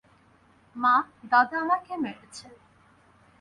মা, দাদা আমাকে মেরেছে।